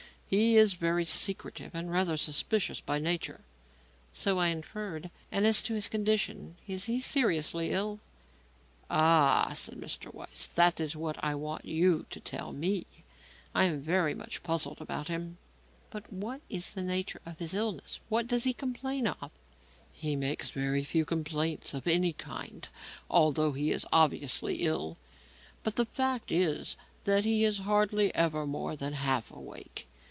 He is very secretive and rather suspicious by nature." "So I inferred. And as to his condition; is he seriously ill?" "Ah," said Mr. Weiss, "that is what I want you to tell me. I am very much puzzled about him." "But what is the nature of his illness? What does he complain of?" "He makes very few complaints of any kind although he is obviously ill. But the fact is that he is hardly ever more than half awake.